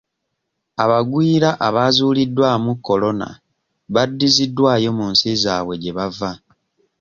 Abagwira abaazuuliddwamu kolona baddiziddwayo mu nsi zaabwe gye bava.